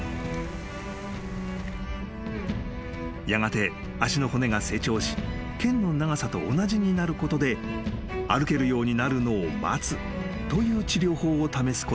［やがて脚の骨が成長しけんの長さと同じになることで歩けるようになるのを待つという治療法を試すことにした］